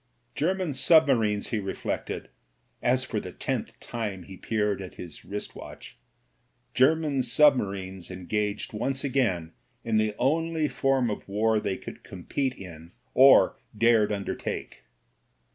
German submarines, he reflected, as for the tenth time he peered at his wrist watch, German submarines engaged once again in the only form of war they could compete in or dared undertake.